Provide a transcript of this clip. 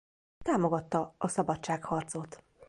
Támogatta a szabadságharcot.